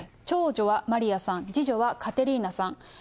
長女はマリアさん、次女はカテリーナさん。